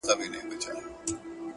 ورته وگورې په مــــــيـــنـــه،